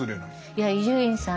いや伊集院さん